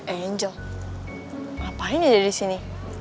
angel ngapain aja di sini